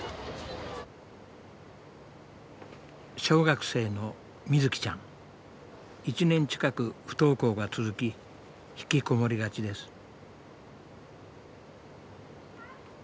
小学生の１年近く不登校が続き引きこもりがちです。